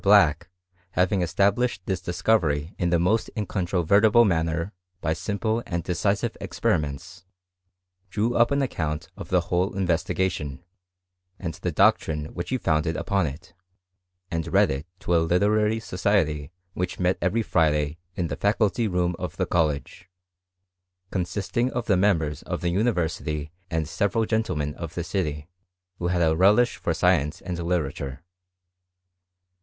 Black, having established this discovery in the most incontrovertible manner by simple and decisive experiments, drew up an account of the whole investigation, and the doctrine which he founded upon it, and read it to a literary society which met every Friday in the faculty room of the college, con sisting of the members of the university and several gentlemen of the city, who had a relish for science and literature.